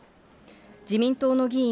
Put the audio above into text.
自民党の議員